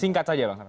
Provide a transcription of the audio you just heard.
singkat saja bang